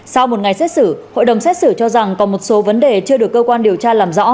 sau một ngày xét xử hội đồng xét xử cho rằng còn một số vấn đề chưa được cơ quan điều tra làm rõ